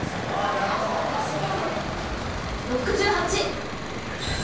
６８！